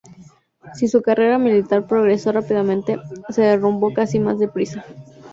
Si su carrera militar progresó rápidamente, se derrumbó casi más de prisa.